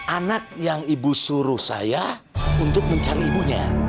anak yang ibu suruh saya untuk mencari ibunya